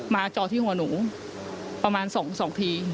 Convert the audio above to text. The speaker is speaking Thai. จอที่หัวหนูประมาณ๒ที